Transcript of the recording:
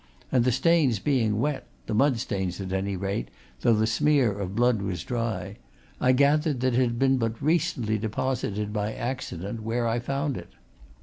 And the stains being wet the mud stains, at any rate, though the smear of blood was dry I gathered that it had been but recently deposited, by accident, where I found it.